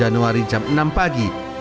dan diterima sri sultan hamengkobwono ix